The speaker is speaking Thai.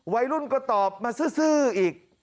วัยรุ่นก็ตอบมาซื้ออีก